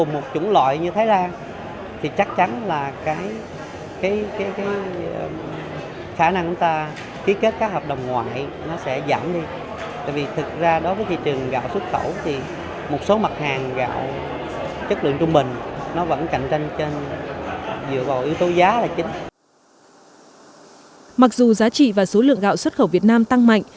mặc dù giá trị và số lượng gạo xuất khẩu việt nam tăng mạnh